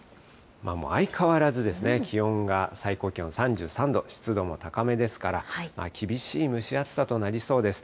もう相変わらずですね、気温が最高気温３３度、湿度も高めですから、厳しい蒸し暑さとなりそうです。